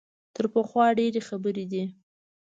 تر پخوا ډېرې خبرې دي.